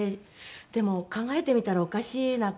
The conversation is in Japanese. でも考えてみたらおかしな事でね。